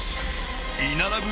居並ぶ